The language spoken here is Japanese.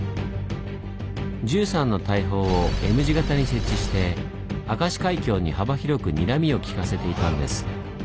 １３の大砲をＭ字型に設置して明石海峡に幅広くにらみをきかせていたんです。